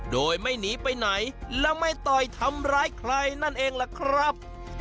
โดยไม่หนีไปไหนและไม่ต่อยทำร้ายใครนั่นเองล่ะครับ